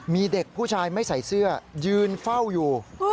มีเด็กผู้ชายไม่ใส่เสื้อยืนเฝ้าอยู่